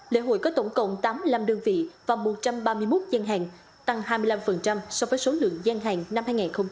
lễ hội có tổng cộng tám mươi năm đơn vị và một trăm ba mươi một dân hàng tăng hai mươi năm so với số lượng gian hàng năm hai nghìn hai mươi ba